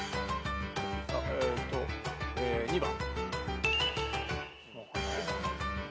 えーと２番。